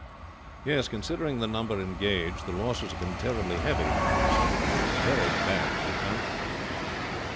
"Yes, considering the number engaged, the losses have been terribly heavy," the major said. "It looked very bad for a time."